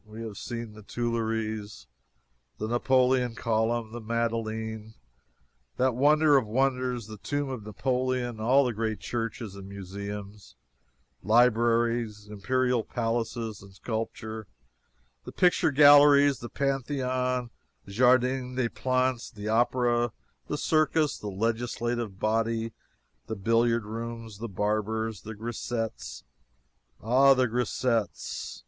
We have seen the Tuileries, the Napoleon Column, the Madeleine, that wonder of wonders the tomb of Napoleon, all the great churches and museums, libraries, imperial palaces, and sculpture and picture galleries, the Pantheon, Jardin des Plantes, the opera, the circus, the legislative body, the billiard rooms, the barbers, the grisettes Ah, the grisettes!